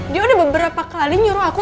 dia udah beberapa kali nyuruh aku